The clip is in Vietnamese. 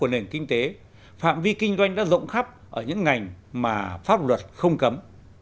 nền kinh tế phạm vi kinh doanh đã rộng khắp ở những ngành mà pháp luật không cấm